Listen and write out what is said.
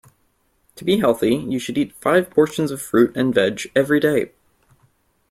To be healthy you should eat five portions of fruit and veg every day